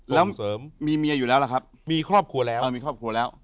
ส่งเสริมแล้วมีเมียอยู่แล้วหรอครับมีครอบครัวแล้วเออมีครอบครัวแล้ว